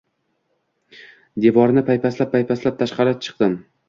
Devorni paypaslab-paypaslab tashqari chiqdim.